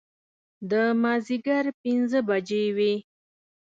د مازدیګر پنځه بجې وې.